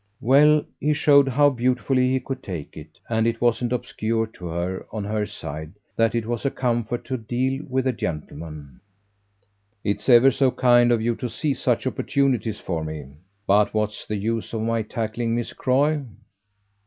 Well, he showed how beautifully he could take it; and it wasn't obscure to her, on her side, that it was a comfort to deal with a gentleman. "It's ever so kind of you to see such opportunities for me. But what's the use of my tackling Miss Croy?"